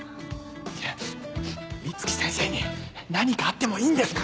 美月先生に何かあってもいいんですか？